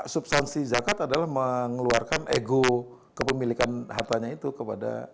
substansi zakat adalah mengeluarkan ego kepemilikan hartanya itu kepada